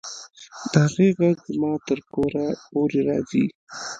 د هغې غږ زما تر کوره پورې راځي